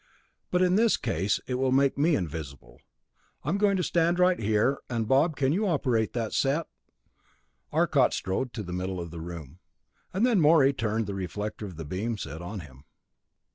But in this case it will make me visible. I'm going to stand right here, and Bob can operate that set." Arcot strode to the middle of the room, and then Morey turned the reflector of the beam set on him.